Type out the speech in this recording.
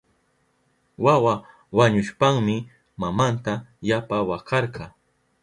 Wawan wañushpanmi mamanta yapa wakarka.